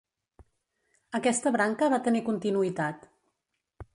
Aquesta branca va tenir continuïtat.